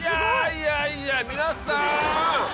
いやいや皆さん！